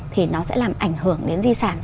thì nó sẽ làm ảnh hưởng đến di sản